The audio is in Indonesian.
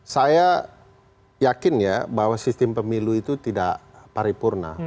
saya yakin ya bahwa sistem pemilu itu tidak paripurna